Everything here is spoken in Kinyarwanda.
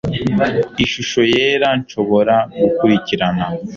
ishusho yera nshobora gukurikirana